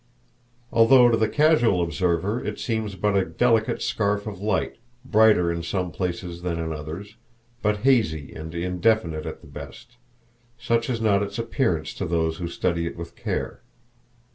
Although to the casual observer it seems but a delicate scarf of light, brighter in some places than in others, but hazy and indefinite at the best, such is not its appearance to those who study it with care.